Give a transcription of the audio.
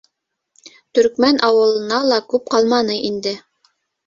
Төркмән ауылына ла күп ҡалманы инде.